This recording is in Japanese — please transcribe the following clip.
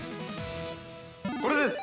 ◆これです。